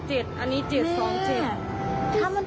เจ็ดอันนี้เจ็ดสอง